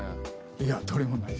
いやどれもない。